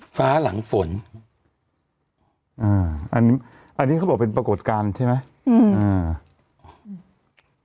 หลังฝนอ่าอันนี้อันนี้เขาบอกเป็นปรากฏการณ์ใช่ไหมอืมอ่าอืม